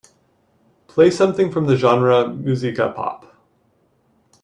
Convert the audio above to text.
Play something from the genre muzyka pop